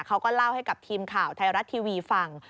เขาก็เล่าให้กับทีมข่าวไทยรัฐทีวีฟัง